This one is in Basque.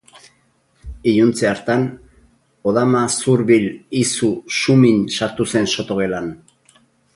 Iluntze hartan, Odama zurbil, izu, sumin sartu zen soto-gelan.